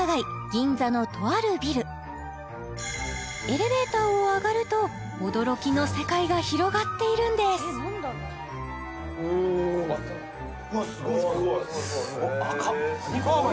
銀座のとあるビルエレベーターを上がると驚きの世界が広がっているんです・わっすごい・すごっ赤っ！